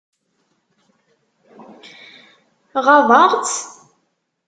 Ɣaḍeɣ-tt?